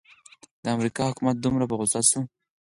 د امریکا حکومت دومره په غوسه شو.